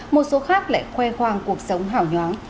một số khác lại khoe khoang cuộc sống hảo nhoáng